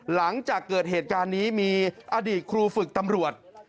หลังจากเกิดเหตุการณ์นี้มีอดีตครูฝึกตำรวจ